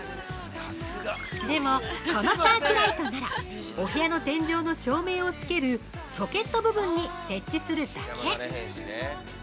でも、このサーキュライトならお部屋の天井の照明をつけるソケット部分に設置するだけ。